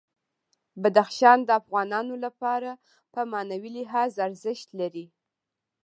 بدخشان د افغانانو لپاره په معنوي لحاظ ارزښت لري.